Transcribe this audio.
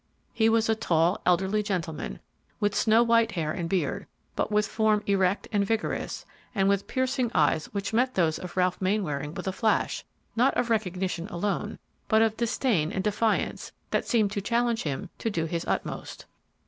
He was a tall, elderly gentleman, with snow white hair and beard, but with form erect and vigorous, and with piercing eyes which met those of Ralph Mainwaring with a flash, not of recognition alone, but of disdain and defiance that seemed to challenge him to do his utmost.